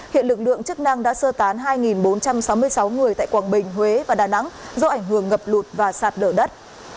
hiện lực lượng chức năng đã sơ tán hai bốn trăm sáu mươi sáu người tại quảng bình huế và đà nẵng do ảnh hưởng ngập lụt và sạt lở đất